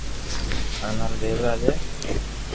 مارو نوم ديوراج ھئ